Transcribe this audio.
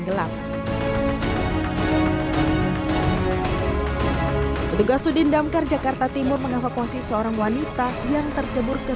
gelap petugas sudin damkar jakarta timur mengevakuasi seorang wanita yang tercebur ke